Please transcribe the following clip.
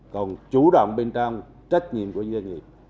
còn chủ động bên trong trách nhiệm của doanh nghiệp